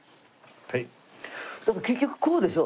だから結局こうでしょ？